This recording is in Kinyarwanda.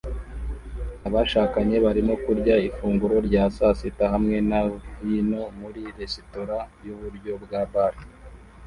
Abashakanye barimo kurya ifunguro rya sasita hamwe na vino muri resitora yuburyo bwa bar